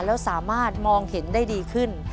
แล้วสามารถมองเห็นได้ดีขึ้น